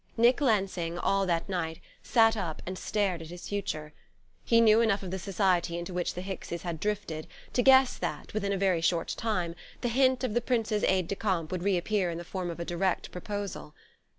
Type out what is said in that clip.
Nick Lansing, all that night, sat up and stared at his future. He knew enough of the society into which the Hickses had drifted to guess that, within a very short time, the hint of the Prince's aide de camp would reappear in the form of a direct proposal.